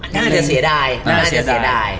น่าจะเสียดาย